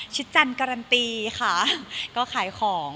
ชิดจันการันตีค่ะก็ขายของ